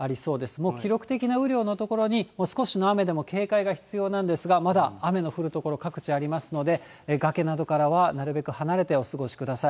もう記録的な雨量の所に、少しの雨でも警戒が必要なんですが、まだ雨の降る所、各地ありますので、崖などからはなるべく離れてお過ごしください。